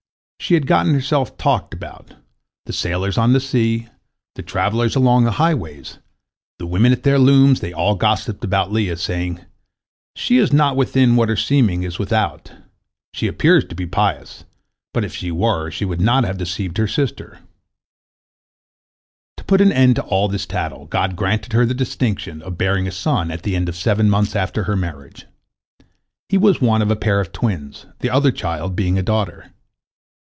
She had gotten herself talked about. The sailors on the sea, the travellers along the highways, the women at their looms, they all gossiped about Leah, saying, "She is not within what her seeming is without. She appears to be pious, but if she were, she would not have deceived her sister." To put an end to all this tattle, God granted her the distinction of bearing a son at the end of seven months after her marriage. He was one of a pair of twins, the other child being a daughter.